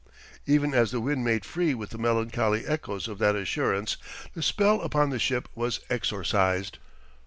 Even as the wind made free with the melancholy echoes of that assurance, the spell upon the ship was exorcised.